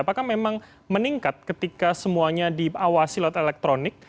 apakah memang meningkat ketika semuanya diawasi lewat elektronik